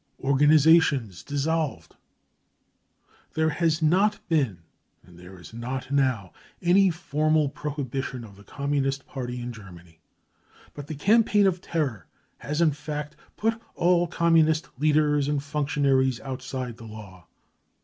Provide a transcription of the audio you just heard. Organisations Dissolved. There has not been and there is not now any formal prohibition of the Communist Party in Germany. But the campaign of terror has in fact put all Gommunist leaders and functionaries outside the law.